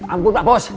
ampun pak bos